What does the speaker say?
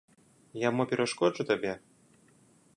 Я мо перашкоджу табе?